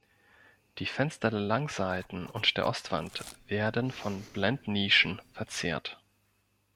Die Fenster der Langseiten und der Ostwand werden von Blendnischen verziert.